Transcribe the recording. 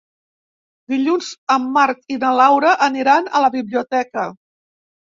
Dilluns en Marc i na Laura aniran a la biblioteca.